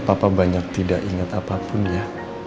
papa banyak tidak ingat apapun ya